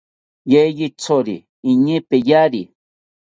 Yeyithori iñee peyari